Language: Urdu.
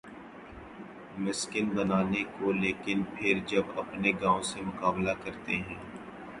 مسکن بنانے کو لیکن پھر جب اپنے گاؤں سے مقابلہ کرتے ہیں۔